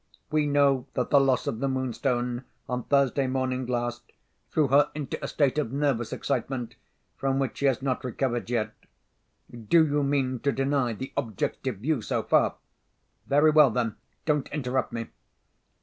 We know that the loss of the Moonstone, on Thursday morning last, threw her into a state of nervous excitement, from which she has not recovered yet. Do you mean to deny the Objective view, so far? Very well, then—don't interrupt me.